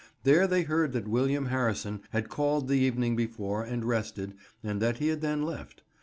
There they heard that William Harrison had called the evening before and rested, and that he had then left.